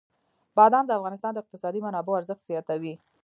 بادام د افغانستان د اقتصادي منابعو ارزښت زیاتوي.